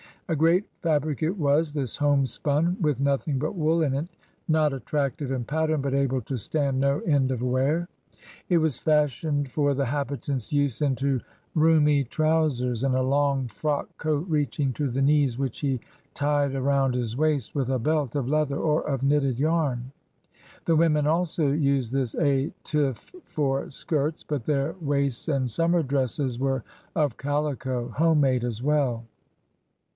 A great fabric it was, this homespun, with nothing but wool in it, not attrac tive in pattern but able to stand no end of wear. It was fashioned for the habitant's use into roomy trousers and a long frock coat reaching to the knees which he tied around his waist with a belt of leather or of knitted yam. The women also used this Stoffe for skirts, but their waists and summer dresses were of calico, homemade as well.